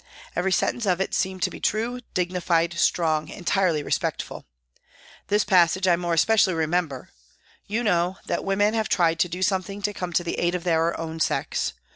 Every sentence of it seemed to be true, dignified, strong, entirely respectful. This passage I more especially remember :" You know that women have tried to do something to come to the aid of their own sex.